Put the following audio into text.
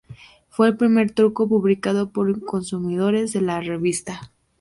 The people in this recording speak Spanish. Fue el primer truco publicado por un consumidor de la revista.